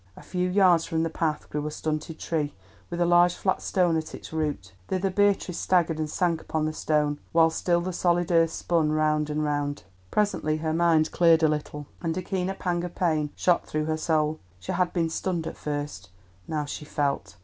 A few yards from the path grew a stunted tree with a large flat stone at its root. Thither Beatrice staggered and sank upon the stone, while still the solid earth spun round and round. Presently her mind cleared a little, and a keener pang of pain shot through her soul. She had been stunned at first, now she felt.